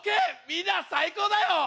みんな最高だよ！